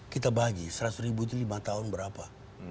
kita bagi seratus ribu itu lima tahun berapa